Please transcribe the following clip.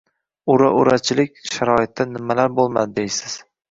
«Ura-ura»chilik sharoitida nimalar bo‘lmadi, deysiz.